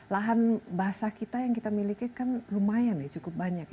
lahan bahasa kita yang kita miliki kan lumayan ya cukup banyak